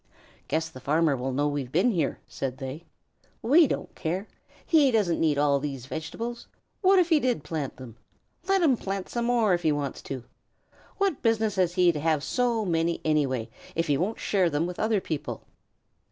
"Guess the farmer will know that we've been here," said they. "We don't care. He doesn't need all these vegetables. What if he did plant them? Let him plant some more if he wants to. What business has he to have so many, anyhow, if he won't share with other people?"